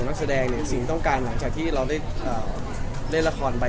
เพราะว่าคลับกลัวไง